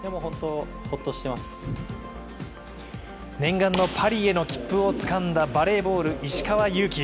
念願のパリへの切符をつかんだバレーボール・石川祐希。